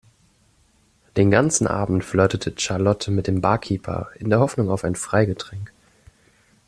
Den ganzen Abend flirtete Charlotte mit dem Barkeeper in der Hoffnung auf ein Freigetränk.